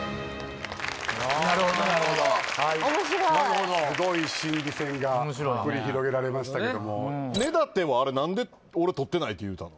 なるほどなるほど面白いすごい心理戦が繰り広げられましたけども根建はあれ何で「俺取ってない」って言うたの？